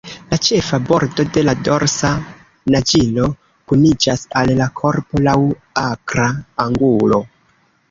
La ĉefa bordo de la dorsa naĝilo kuniĝas al la korpo laŭ akra angulo.